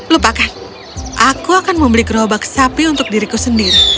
lupakan aku akan membeli gerobak sapi untuk diriku sendiri